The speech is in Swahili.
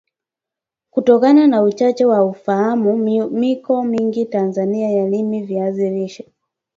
Kutokana na Uchache wa ufaham miko mingi TAnzania hailimi viazi lishe